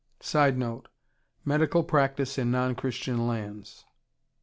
[Sidenote: Medical practice in non Christian lands.